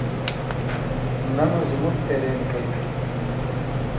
نہ مہ زُمُک څېرے نِکئ تُھو